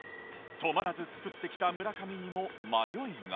止まらず作ってきた村上にも迷いが